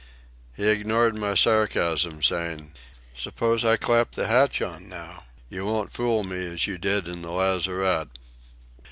He ignored my sarcasm, saying, "Suppose I clap the hatch on, now? You won't fool me as you did in the lazarette."